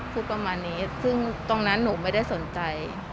พูดประมาณนี้ซึ่งตรงนั้นหนูไม่ได้สนใจ